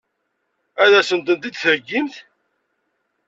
Ad sent-tent-id-theggimt?